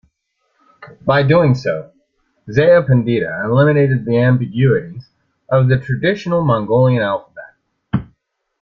By doing so, Zaya Pandita eliminated the ambiguities of the traditional Mongolian alphabet.